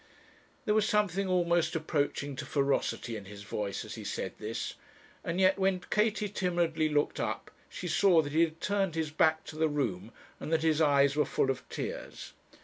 There was something almost approaching to ferocity in his voice as he said this; and yet when Katie timidly looked up she saw that he had turned his back to the room, and that his eyes were full of tears.